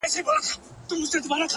ښكلي چي گوري ـ دا بيا خوره سي ـ